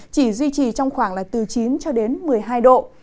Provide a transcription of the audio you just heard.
chỉ duy trì trong khoảng từ chín một mươi hai độ